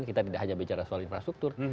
kita tidak hanya bicara soal infrastruktur